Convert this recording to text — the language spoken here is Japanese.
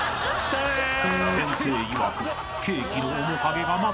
［先生いわく］